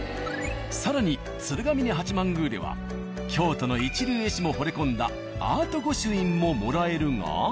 更に鶴峯八幡宮では京都の一流絵師もほれ込んだアート御朱印ももらえるが。